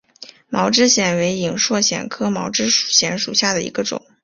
毛枝藓为隐蒴藓科毛枝藓属下的一个种。